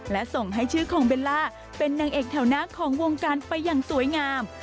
และส่งให้ชื่อของเบลล่าเป็นนางเอกแถวหน้าของวงการไปอย่างสวยงาม